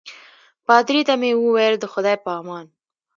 پادري ته مې وویل د خدای په امان.